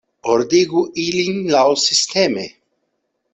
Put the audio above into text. Ordigu ilin laŭsisteme.